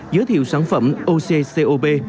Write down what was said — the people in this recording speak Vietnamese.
giới thiệu sản phẩm occop